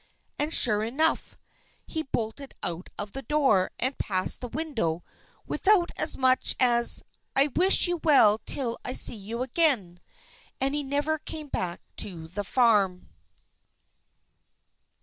_" And sure enough, he bolted out of the door, and passed the widow, without so much as "I wish you well till I see you again!" And he never came back to the farm.